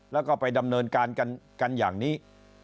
แล้วก็ไปดำเนินการกันอย่างนี้